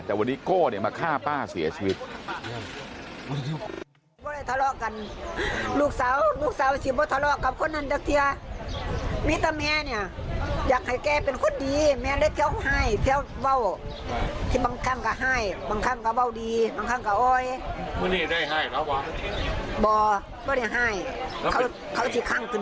แต่วันนี้โก้มาฆ่าป้าเสียชีวิต